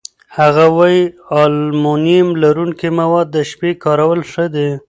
هغه وايي المونیم لرونکي مواد د شپې کارول ښه دي.